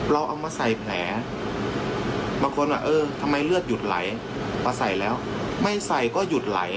เอามาใส่แผลบางคนว่าเออทำไมเลือดหยุดไหลมาใส่แล้วไม่ใส่ก็หยุดไหล